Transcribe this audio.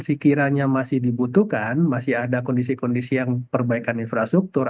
sekiranya masih dibutuhkan masih ada kondisi kondisi yang perbaikan infrastruktur